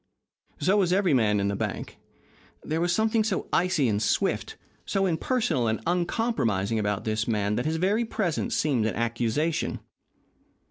So was every man in the bank. There was something so icy and swift, so impersonal and uncompromising about this man that his very presence seemed an accusation.